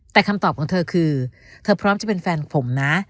แต่คำตอบของเธอคือเธอพร้อมจะเป็นแฟนผมนะ